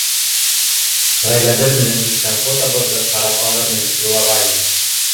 Ғаиләбеҙ менән төшкән фотобыҙҙы ҡарап алырмын тип уйлағайным.